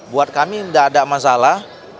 buat kami tidak ada masalah